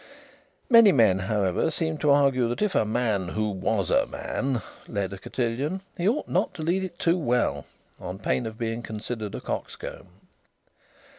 Many men, however, seemed to argue that if a man who was a man led a cotillon, he ought not to lead it too well, on pain of being considered a cox comb.